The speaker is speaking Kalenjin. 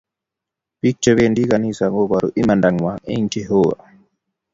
Bik che bendi kanisa koboru imanda ngwai eng Jehova